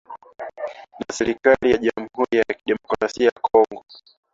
na serikali ya jamhuri ya kidemokrasia ya Kongo